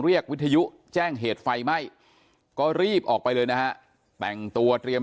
วิทยุแจ้งเหตุไฟไหม้ก็รีบออกไปเลยนะฮะแต่งตัวเตรียม